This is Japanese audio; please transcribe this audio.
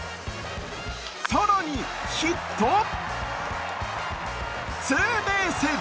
更に、ヒット、ツーベース。